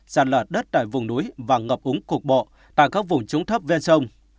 sạt lở đất tại vùng núi và ngập úng cục bộ tại các vùng trúng thấp ven sông